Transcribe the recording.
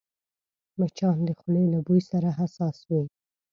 مچان د خولې له بوی سره حساس وي